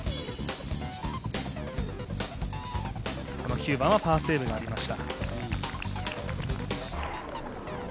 ９番はパーセーブになりました。